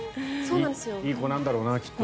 いい子なんだろうなきっと。